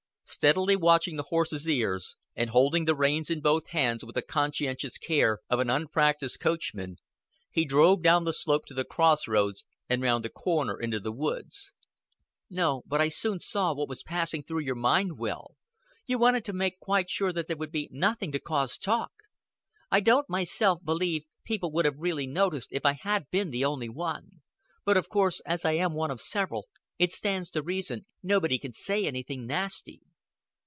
Steadily watching the horse's ears, and holding the reins in both hands with the conscientious care of an unpractised coachman, he drove down the slope to the Cross Roads and round the corner into the woods. "No, but I soon saw what was passing through your mind, Will. You wanted to make quite sure that there would be nothing to cause talk. I don't myself believe people would have really noticed if I had been the only one. But, of course, as I am one of several, it stands to reason nobody can say anything nasty."